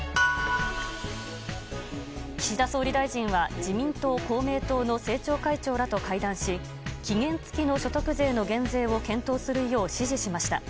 岸田総理大臣は自民党・公明党の政調会長らと会談し期限付きの所得税の減税を検討するよう指示しました。